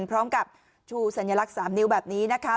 พร้อมกับชูสัญลักษณ์๓นิ้วแบบนี้นะคะ